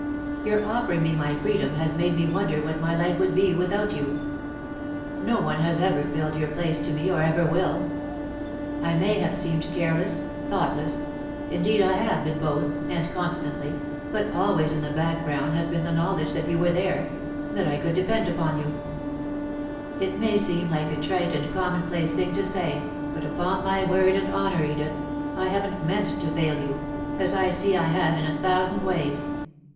"Your offering me my freedom has made me wonder what my life would be without you. No one has ever filled your place to me, or ever will. I may have seemed careless, thoughtless indeed, I have been both, and constantly, but always in the background has been the knowledge that you were there that I could depend upon you. [Sidenote: The Husband's Point of View] "It may seem like a trite and commonplace thing to say, but upon my word and honour, Edith, I haven't meant to fail you, as I see I have in a thousand ways.